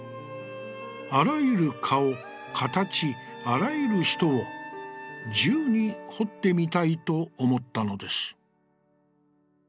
あらゆる顔、形、あらゆる人を十に彫ってみたいと思ったのです」。